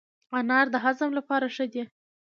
انار د هضم لپاره ښه دی.